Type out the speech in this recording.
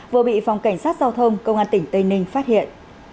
vừa bị phòng cảnh sát giao thông công an tỉnh tây ninh phát hiện